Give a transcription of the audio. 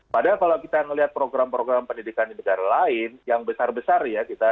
padahal kalau kita melihat program program pendidikan di negara lain yang besar besar ya